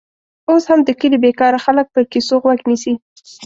اوس هم د کلي بېکاره خلک پر کیسو غوږ نیسي.